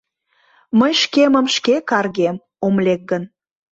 Мый шкемым шке каргем, ом лек гын